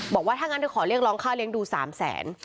บอกว่าถ้างั้นเธอขอเรียกร้องค่าเลี้ยงดู๓แสน